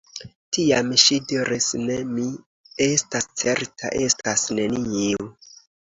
Tiam ŝi diris: Ne — mi estas certa — estas neniu.